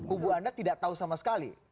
kubu anda tidak tahu sama sekali